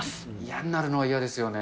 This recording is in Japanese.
嫌になるのは嫌ですよね。